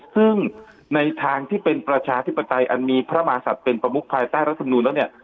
ซึ่งในทางที่เป็นประชาธิปไตยอันมีพระมาศัตริย์เป็นประมุขภายใต้รัฐมนุนแล้วเนี่ย